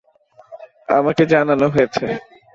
আমাকে জানানো হয়েছে।